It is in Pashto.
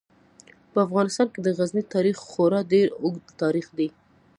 په افغانستان کې د غزني تاریخ خورا ډیر اوږد تاریخ دی.